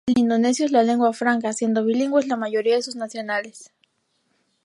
El indonesio es la lengua franca, siendo bilingües la mayoría de sus nacionales.